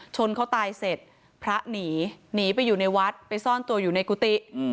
เขาตายเสร็จพระหนีหนีไปอยู่ในวัดไปซ่อนตัวอยู่ในกุฏิ